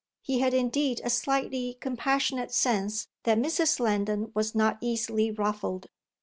He had indeed a slightly compassionate sense that Mrs. Lendon was not easily ruffled.